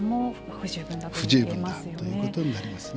不十分だということになりますね。